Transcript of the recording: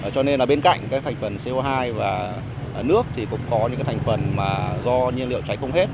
cho nên bên cạnh thành phần co hai và nước cũng có những thành phần do nhiên liệu cháy không hết